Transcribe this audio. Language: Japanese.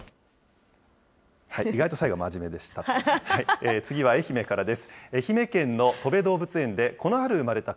意外と最後は真面目でした。